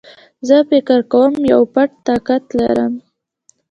زه فکر کوم يو پټ طاقت لرم